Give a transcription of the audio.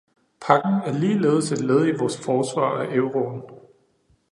Pakken er ligeledes et led i vores forsvar af euroen.